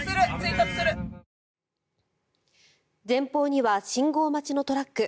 前方には信号待ちのトラック。